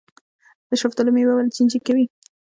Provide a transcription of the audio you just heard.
د شفتالو میوه ولې چینجي کوي؟